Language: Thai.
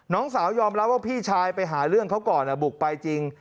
น้องสาวยอมรับว่าพี่ชายไปหาเรื่องเขาก่อนบุกไปจริง